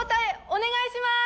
お願いします！